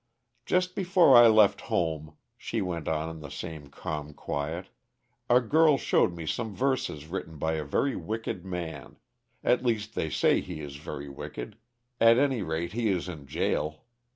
"Just before I left home," she went on in the same calm quiet, "a girl showed me some verses written by a very wicked man. At least, they say he is very wicked at any rate, he is in jail.